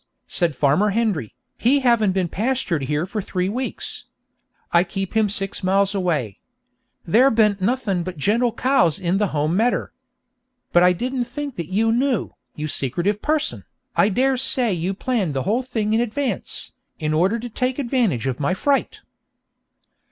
said Farmer Hendry, "he haven't been pastured here for three weeks. I keep him six mile away. There ben't nothing but gentle cows in the home medder." But I didn't think that you knew, you secretive person! I dare say you planned the whole thing in advance, in order to take advantage of my fright!'